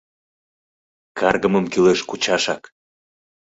Каргымым кӱлеш кучашак!